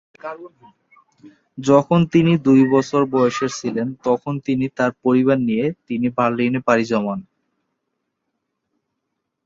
যখন তিনি দুই বছর বয়সের ছিলেন তখন তিনি তার পরিবার নিয়ে তিনি বার্লিনে পাড়ি জমান।